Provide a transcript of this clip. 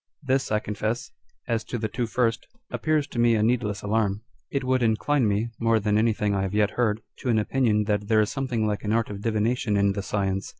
This, I confess, as to the two first, appears to me a needless alarm. It would incline me (more than anything I have yet heard) to an opinion that there is something like an art of divination in the science.